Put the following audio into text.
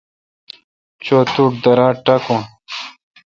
چو۔ تو ٹھ۔ درا تہ ٹاکون۔